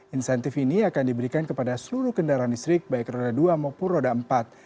insentif ini akan diberikan kepada seluruh kendaraan listrik baik roda dua maupun roda empat